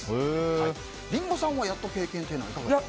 リンゴさんはやった経験はいかがですか？